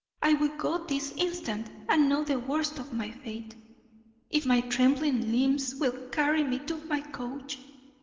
I will go this instant and know the worst of my fate, if my trembling limbs will carry me to my coach.